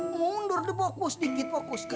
mundur deh fokus dikit fokus dikit